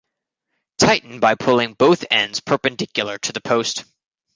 Tighten by pulling both ends perpendicular to the post.